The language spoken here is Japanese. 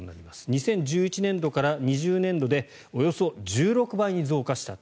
２０１１年度から２０２０年度でおよそ１６倍に増加した。